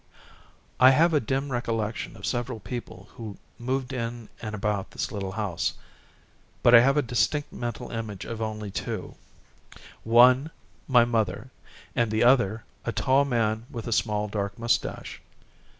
I have a dim recollection of several people who moved in and about this little house, but I have a distinct mental image of only two: one, my mother; and the other, a tall man with a small, dark mustache.